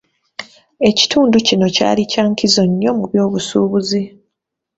Ekitundu kino kyali kya nkizo nnyo mu byobusuubuzi.